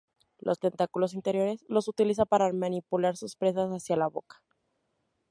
Los tentáculos interiores los utiliza para manipular sus presas hacia la boca.